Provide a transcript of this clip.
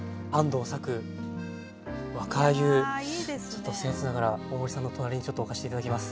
ちょっとせん越ながら大森さんの隣にちょっと置かせて頂きます。